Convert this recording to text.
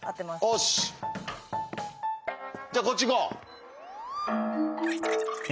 おし！じゃあこっちいこう。